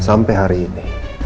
sampai hari ini